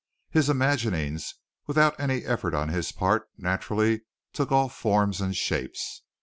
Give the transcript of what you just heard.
His imaginings, without any effort on his part, naturally took all forms and shapes.